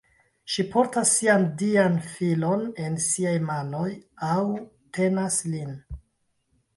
Ŝi portas sian dian filon en siaj manoj, aŭ tenas lin.